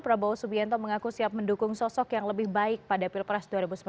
prabowo subianto mengaku siap mendukung sosok yang lebih baik pada pilpres dua ribu sembilan belas